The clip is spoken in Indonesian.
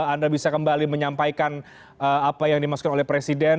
anda bisa kembali menyampaikan apa yang dimaksud oleh presiden